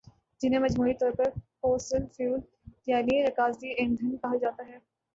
جنہیں مجموعی طور پر فوسل فیول یعنی رکازی ایندھن کہا جاتا ہے